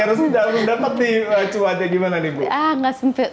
terus udah dapet nih cuaca gimana nih ibu